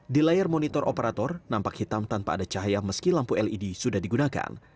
di layar monitor operator nampak hitam tanpa ada cahaya meski lampu led sudah digunakan